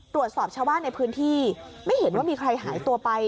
ตรวจสอบชาวบ้านในพื้นที่ไม่เห็นว่ามีใครหายตัวไป